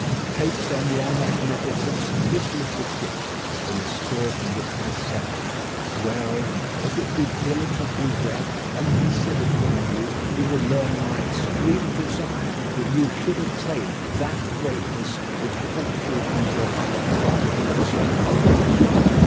Take then, your Magnificence, this little gift in the spirit in which I send it; wherein, if it be diligently read and considered by you, you will learn my extreme desire that you should attain that greatness which fortune and your other attributes promise.